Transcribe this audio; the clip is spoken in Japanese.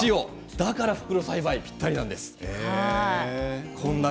だから袋栽培がぴったりなんです。